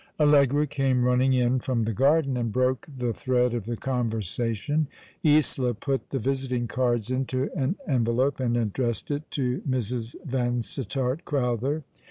Allegra came running in from the garden, and broke the thread of the conversation. Isola put the visiting cards into an envelope and addressed it to Mrs. Yansittart Crowther.